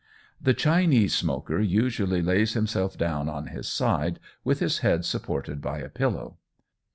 The Chinese smoker usually lays himself down on his side, with his head supported by a pillow.